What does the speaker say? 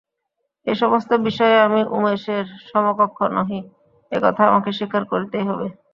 এ-সমস্ত বিষয়ে আমি উমেশের সমকক্ষ নহি, এ কথা আমাকে স্বীকার করিতেই হইবে।